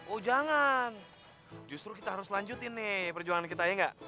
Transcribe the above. oh jangan justru kita harus lanjutin nih perjuangan kita ya enggak